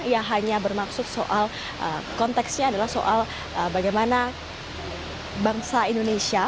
ia hanya bermaksud soal konteksnya adalah soal bagaimana bangsa indonesia